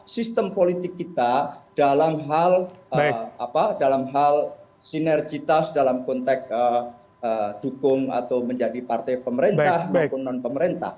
sistem politik kita dalam hal dalam hal sinergitas dalam konteks dukung atau menjadi partai pemerintah maupun non pemerintah